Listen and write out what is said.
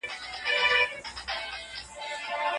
انلاين زده کړه د شخصي سرعت ملاتړ کړی دی.